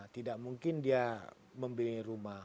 tidak mungkin dia membeli rumah